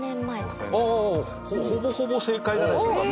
堤：ほぼほぼ正解じゃないでしょうか。